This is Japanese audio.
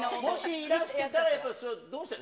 いらしてたらどうする？